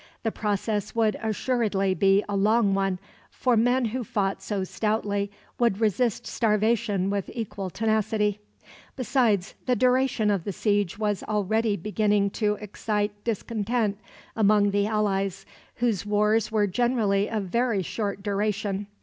The process would assuredly be a long one, for men who fought so stoutly would resist starvation with equal tenacity; besides, the duration of the siege was already beginning to excite discontent among the allies, whose wars were generally of very short duration.